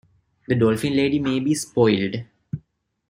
The Dolphin lady may be spoiled'.